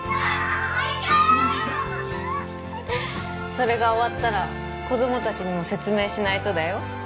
それが終わったら子ども達にも説明しないとだよ？